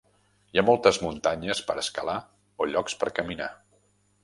Hi ha moltes muntanyes per escalar o llocs per caminar.